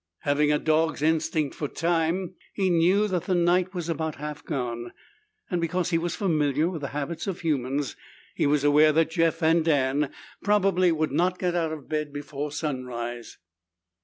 Having a dog's instinct for time, he knew that the night was about half gone, and because he was familiar with the habits of humans, he was aware that Jeff and Dan probably would not get out of bed before sunrise.